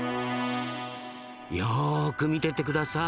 よく見てて下さい。